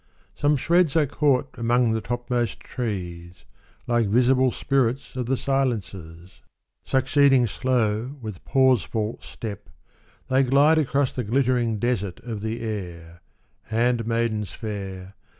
Some shreds are caught among the topmost trees ; Like visible spirits of the silences, 45 Mist and Cloud. Succeeding slow with pauseful step, they glide Across the glittering desert of the air; Handmaidens fair.